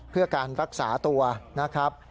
เพื่อการรักษาตัวนะครับ